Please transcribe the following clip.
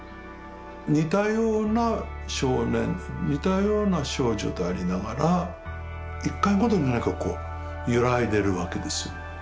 似たような少年似たような少女でありながら一回ごとになんかこう揺らいでるわけですよ。